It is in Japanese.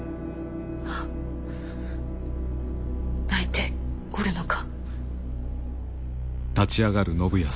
泣いておるのか？